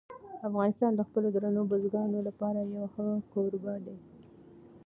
افغانستان د خپلو درنو بزګانو لپاره یو ښه کوربه دی.